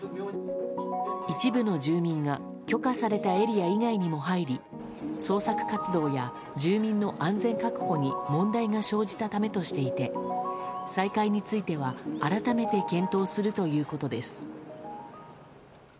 一部の住民が許可されたエリア以外にも入り捜索活動や住民の安全確保に問題が生じたためとしていて再開については改めて検討するということです。